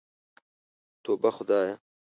توبه خدايه.